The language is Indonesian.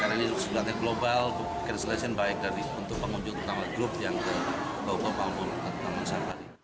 karena ini suatu latihan global cancellation baik dari untuk pengunjung utama grup yang ke taman safari